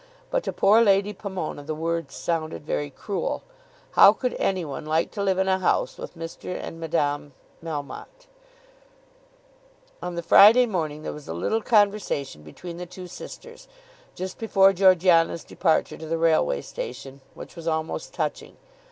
But to poor Lady Pomona the words sounded very cruel. How could any one like to live in a house with Mr. and Madame Melmotte! On the Friday morning there was a little conversation between the two sisters, just before Georgiana's departure to the railway station, which was almost touching.